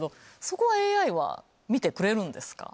そこはＡＩは見てくれるんですか？